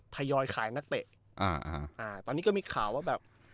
ทยอยขายนักเตะอ่าอ่าตอนนี้ก็มีข่าวว่าแบบ